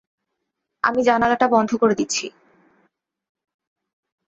আমি জানালাটা বন্ধ করে দিচ্ছি।